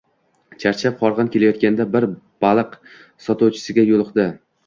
Charchab, horg`in kelayotganda bir baliq sotuvchisiga yo`liqdi